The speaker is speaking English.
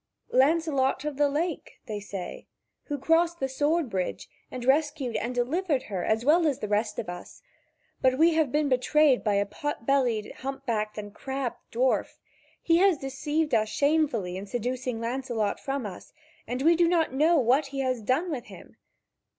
"Lancelot of the Lake," they say, "who crossed the sword bridge, and rescued and delivered her as well as all the rest of us. But we have been betrayed by a pot bellied, humpbacked, and crabbed dwarf. He has deceived us shamefully in seducing Lancelot from us, and we do not know what he has done with him."